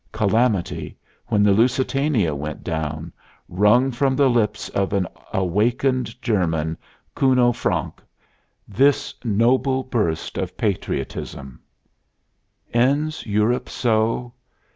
Calamity, when the Lusitania went down, wrung from the lips of an awakened German, Kuno Francke, this noble burst of patriotism: _Ends Europe so?